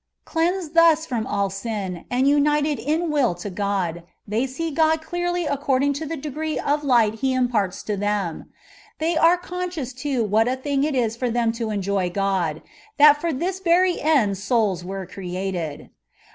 Cleansed thns from ali sin, and nnited in will to God, they see God clearly according to the degree of light He imparts to them; they are conscious too what a thing it is for them to enjoy God, that for this very end souls were created.